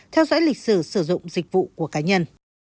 theo dõi lịch sử sử dụng dịch vụ của cá nhân